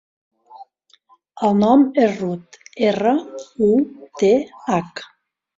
El nom és Ruth: erra, u, te, hac.